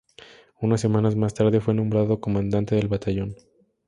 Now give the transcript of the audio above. Unas semanas más tarde fue nombrado comandante del batallón.